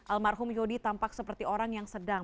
almarhum yodi tampak seperti orang yang sedang